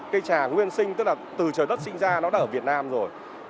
cây trà nguyên sinh tức là từ trời đất sinh ra nó đã ở việt nam rồi